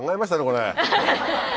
これ。